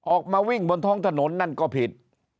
ออกมาวิ่งบนท้องถนนนั่นก็ผิด